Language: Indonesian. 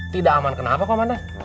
tidak aman kenapa komandan